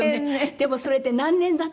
でもそれって何年だって。